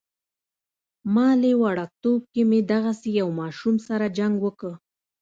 مالې وړوکتوب کې مې دغسې يو ماشوم سره جنګ وکه.